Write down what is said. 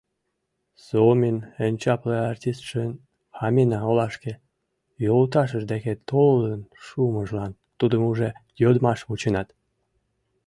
Суомин эн чапле артистшын Хамина олашке йолташыж деке толын шумыжлан тудым уже йодмаш вученат.